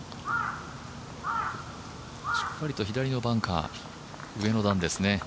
しっかりと左のバンカー上の段ですね。